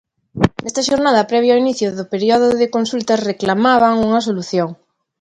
Nesta xornada previa ao inicio do período de consultas reclamaban unha solución.